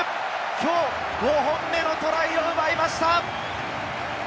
きょう５本目のトライを奪いました！